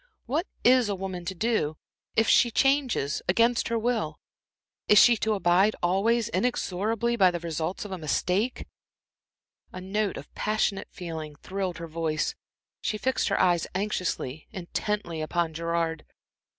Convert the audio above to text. What is a woman to do, if she changes against her will? Is she to abide always, inexorably, by the results of a mistake?" A note of passionate feeling thrilled her voice, she fixed her eyes anxiously, intently, upon Gerard.